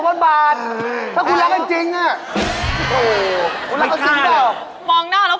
ซักแน่นฝีนาทักงานสแดง